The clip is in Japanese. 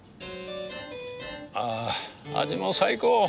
あ味も最高。